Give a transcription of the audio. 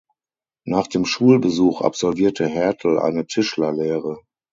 Nach dem Schulbesuch absolvierte Hertel eine Tischlerlehre.